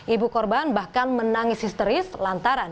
ibu korban bahkan menangis histeris lantaran